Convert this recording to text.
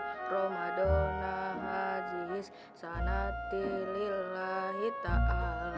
ramadan hajiz sanatilillahita'ala